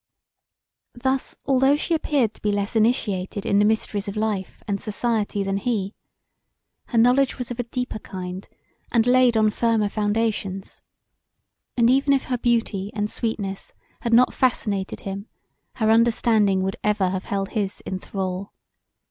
Thus although she appeared to be less initiated in the mysteries of life and society than he her knowledge was of a deeper kind and laid on firmer foundations; and if even her beauty and sweetness had not fascinated him her understanding would ever have held his in thrall.